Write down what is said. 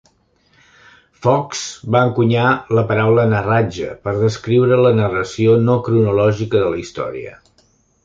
Fox va encunyar la paraula "narratage" per descriure la narració no cronològica de la història.